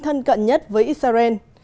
thân cận nhất với israel